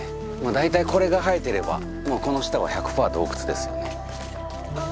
大体これが生えてればもうこの下は１００％洞窟ですよね。